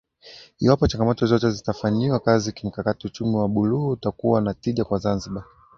Iwapo changamoto zote zitafanyiwa kazi kimkakati uchumi wa buluu utakuwa na tija kwa Zanzibar